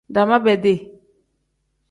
Daama bedi.